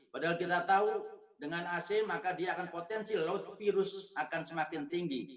padahal kita tahu dengan ac maka dia akan potensi laut virus akan semakin tinggi